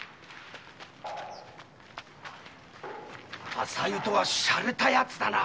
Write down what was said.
朝湯とはしゃれたやつだ。